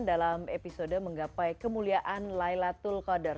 dalam episode menggapai kemuliaan laylatul qadar